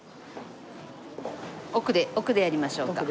奥で奥でやりましょうか。